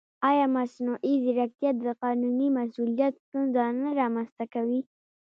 ایا مصنوعي ځیرکتیا د قانوني مسؤلیت ستونزه نه رامنځته کوي؟